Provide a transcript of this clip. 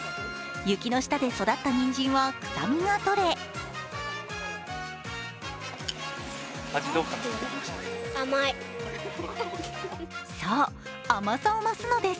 雪の下で育ったにんじんは臭みがとれそう、甘さを増すのです。